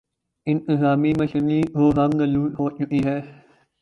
انتظامی مشینری گو زنگ آلود ہو چکی ہے۔